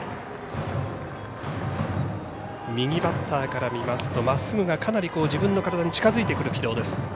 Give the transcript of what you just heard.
右バッターから見ますとまっすぐがかなり自分の体に近づいてくる軌道です。